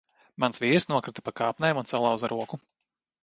Mans vīrs nokrita no kāpnēm un salauza roku.